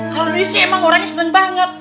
kalau disini emang orangnya seneng banget